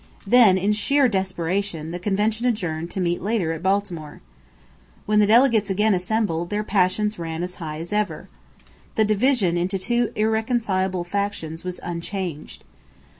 Then in sheer desperation the convention adjourned to meet later at Baltimore. When the delegates again assembled, their passions ran as high as ever. The division into two irreconcilable factions was unchanged.